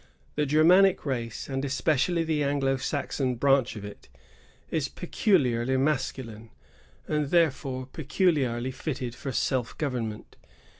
The Germanic race, and especially the Anglo Saxon branch of it, is pecu liarly masculine, and, therefore, peculiarly fitted for self government.